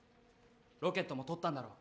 ロケットもとったんだろ？